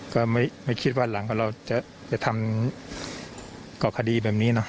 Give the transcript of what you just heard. ก็ไม่คิดว่าหลังเราจะไปทำกรอบคดีแบบนี้